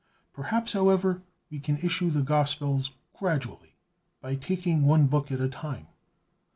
Perhaps, however, we can issue the Gospels gradually, by taking one book at a time."